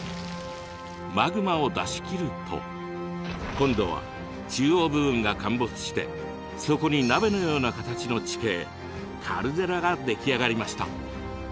マグマを出しきると今度は中央部分が陥没してそこに鍋のような形の地形カルデラが出来上がりました。